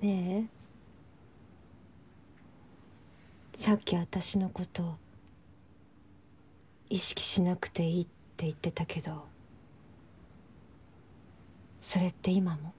ねぇさっき私のこと意識しなくていいって言ってたけどそれって今も？